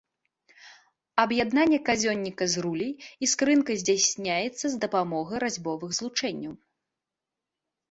Аб'яднанне казённіка з руляй і скрынкай здзяйсняецца з дапамогай разьбовых злучэнняў.